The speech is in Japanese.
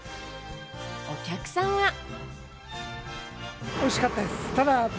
お客さんは。